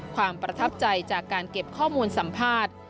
ความประทับใจจากการเก็บข้อมูลสัมภาษณ์